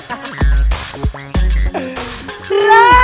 akhirnya mamah bilang juga ya